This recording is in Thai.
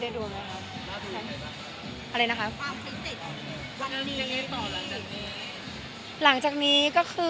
เด็ดไปยังไงต่อหลังจากนี้